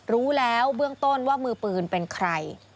รู้แล้วเบื้องต้นว่ามือปืนเป็นใคร